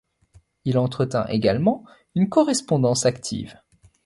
Il entretint également une correspondance active.